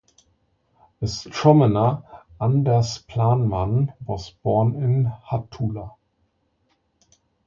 Astronomer Anders Planman was born in Hattula.